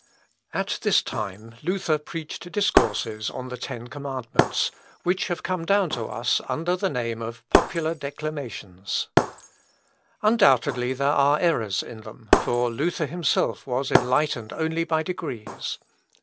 At this time Luther preached discourses on the Ten Commandments, which have come down to us under the name of Popular Declamations. Undoubtedly there are errors in them; for Luther himself was enlightened only by degrees.